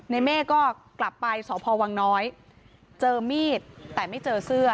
เมฆก็กลับไปสพวังน้อยเจอมีดแต่ไม่เจอเสื้อ